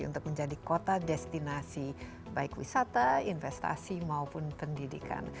untuk menjadi kota destinasi baik wisata investasi maupun pendidikan